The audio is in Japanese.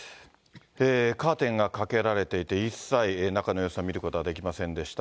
カーテンがかけられていて、一切、中の様子は見ることができませんでした。